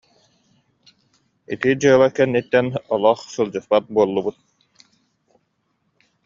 Ити дьыала кэнниттэн олох сылдьыспат буоллубут